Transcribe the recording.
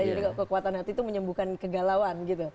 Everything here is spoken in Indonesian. jadi kekuatan hati itu menyembuhkan kegalauan gitu